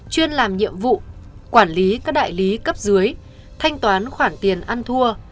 chuyên làm nhiệm vụ quản lý các đại lý cấp dưới thanh toán khoản tiền ăn thua